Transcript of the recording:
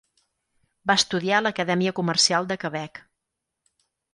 Va estudiar a l'Acadèmia Comercial de Quebec.